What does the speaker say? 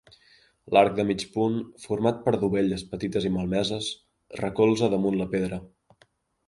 L'arc de mig punt, format per dovelles petites i malmeses, recolza damunt la pedra.